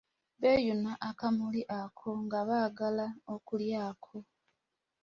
Beeyuna akamuli ako nga baagala okulyako.